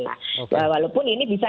walaupun ini bisa